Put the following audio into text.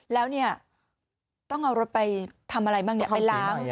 แล้วต้องเอารถไปทำอะไรบ้าง